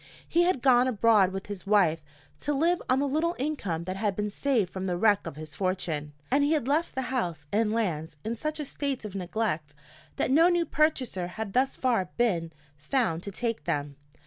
He had gone abroad with his wife to live on the little income that had been saved from the wreck of his fortune; and he had left the house and lands in such a state of neglect that no new purchaser had thus far been found to take them.